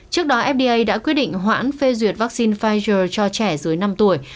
trước đó fda đã quyết định hoãn phê duyệt vaccine pfizer cho trẻ dưới năm tuổi